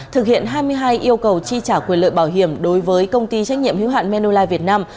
thực hiện hai mươi hai yêu cầu chi trả quyền lợi bảo hiểm đối với công ty trách nhiệm hiếu hạn manulife việt nam